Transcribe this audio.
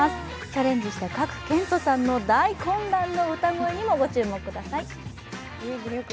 チャレンジした賀来賢人さんの大混乱の歌声にもご注目ください。